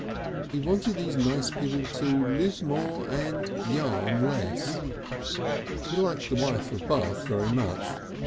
He wanted these nice people to live more and yarn less. He liked the Wife of Bath very much.